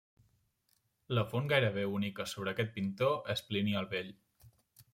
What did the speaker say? La font gairebé única sobre aquest pintor es Plini el Vell.